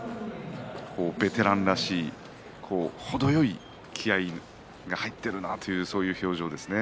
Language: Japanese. ベテランらしい程よい気合いが入っているなという表情ですね。